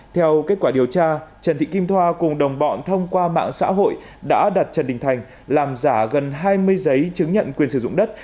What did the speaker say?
theo kết quả điều tra trần thị kim thoa cùng đồng bọn thông qua mạng xã hội đã đặt trần đình thành làm giả gần hai mươi giấy chứng nhận quyền sử dụng đất